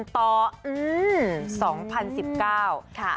เพราะว่า๒๐๑๙